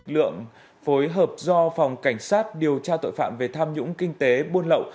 lượng phối hợp do phòng cảnh sát điều tra tội phạm về tham nhũng kinh tế buôn lậu